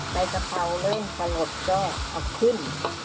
ใส่แบบเบาเล่นสะหรดแจ้งเอาขึ้น